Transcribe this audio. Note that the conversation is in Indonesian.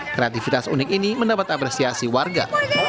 kreativitas unik ini mendapat apresiasi warga